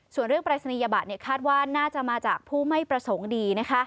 ส่วนเรื่องปรายศนียบัตรคาดว่าน่าจะมาจากผู้ไม่ประสงค์ดี